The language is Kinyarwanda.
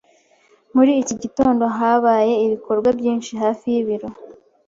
Muri iki gitondo habaye ibikorwa byinshi hafi yibiro.